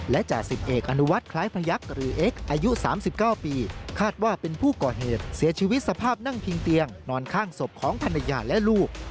และจาสิบเอกประวิทคล้ายพระยักษ์อายุ๓๙ปีคาดว่าเป็นผู้ก่อเหตุเสียชีวิตสภาพนั่งพิงเตียงนอนข้างสบของภรรยาและลูก